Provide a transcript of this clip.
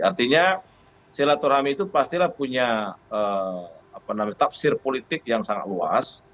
artinya si retur hami itu pastilah punya tafsir politik yang sangat luas